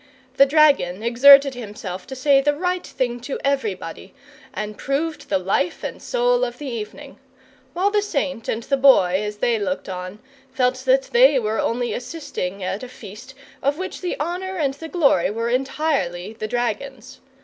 The dragon exerted himself to say the right thing to everybody, and proved the life and soul of the evening; while the Saint and the Boy, as they looked on, felt that they were only assisting at a feast of which the honour and the glory were entirely the dragon's.